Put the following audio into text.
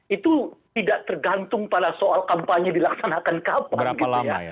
itu tidak tergantung pada soal kampanye dilaksanakan ke depan